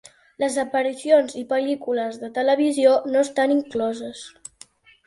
Les aparicions i pel·lícules de televisió no estan incloses.